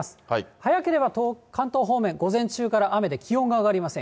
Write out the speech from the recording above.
早ければ関東方面、午前中から雨で、気温が上がりません。